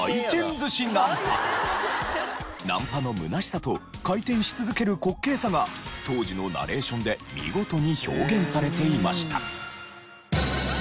ナンパの空しさと回転し続ける滑稽さが当時のナレーションで見事に表現されていました。